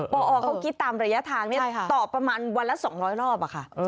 ปอเขากินตามระยะทางต่อประมาณวันละ๒๐๐รอบ